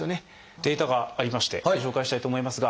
データがありましてご紹介したいと思いますが。